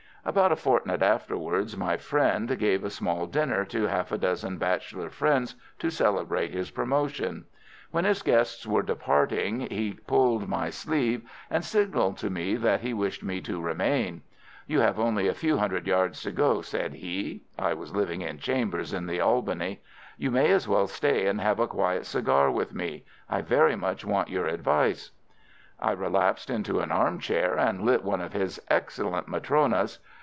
About a fortnight afterwards my friend gave a small dinner to half a dozen bachelor friends to celebrate his promotion. When his guests were departing he pulled my sleeve and signalled to me that he wished me to remain. "You have only a few hundred yards to go," said he—I was living in chambers in the Albany. "You may as well stay and have a quiet cigar with me. I very much want your advice." I relapsed into an arm chair and lit one of his excellent Matronas.